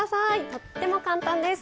とっても簡単です。